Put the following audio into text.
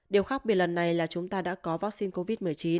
điều khác biệt lần này là chúng ta đã có vaccine covid một mươi chín